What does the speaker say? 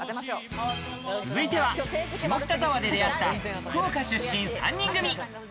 続いては下北沢で出会った福岡出身３人組。